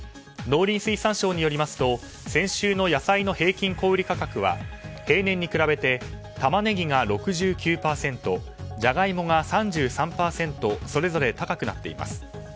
農林水産省によりますと先週の野菜の平均小売価格は平年に比べて、タマネギが６９％ジャガイモが３３％それぞれ高くなっています。